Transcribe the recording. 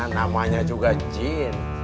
nah namanya juga jin